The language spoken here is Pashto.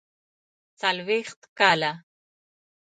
څلوېښت کاله.